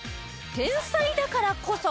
天才だからこそ。